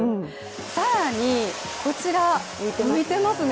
更に、こちら、浮いてますね。